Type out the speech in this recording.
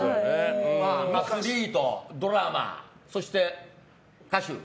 アスリート、ドラマそして歌手。